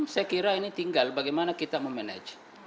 saya kira ini tinggal bagaimana kita memanage